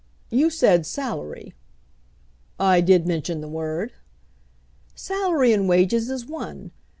"You said salary." "I did mention the word." "Salary and wages is one.